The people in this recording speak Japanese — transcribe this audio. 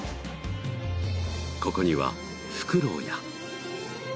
ここにはフクロウや。